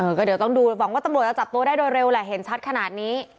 ก็เดี๋ยวต้องดูหวังว่าตำรวจจะจับตัวได้โดยเร็วแหละเห็นชัดขนาดนี้